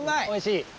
おいしい？